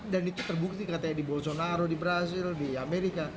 dan itu terbukti katanya di bolsonaro di brazil di amerika